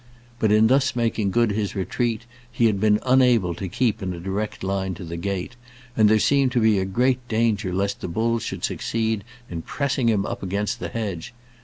But in thus making good his retreat he had been unable to keep in a direct line to the gate, and there seemed to be great danger lest the bull should succeed in pressing him up against the hedge.